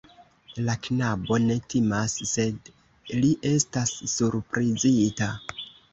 La knabo ne timas, sed li estas surprizita.